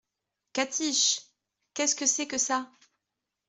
Catiche ! qu’est-ce que c’est que ça ?